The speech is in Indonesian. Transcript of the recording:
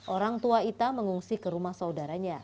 orang tua ita mengungsi ke rumah saudaranya